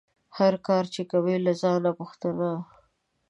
هر کار چې کوې له ځانه پوښته